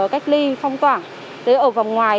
cách ly phong tỏa ở vòng ngoài